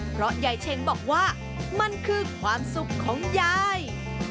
เพราะยายเชงบอกว่ามันคือความสุขของยาย